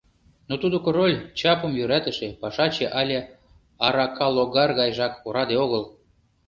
Но тудо король, чапым йӧратыше, пашаче але аракалогар гайжак ораде огыл.